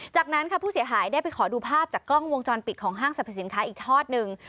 จากนั้นค่ะผู้เสียหายได้ไปขอดูภาพจากกล้องวงจรปิดของห้างสรรพสินค้าอีกทอดหนึ่ง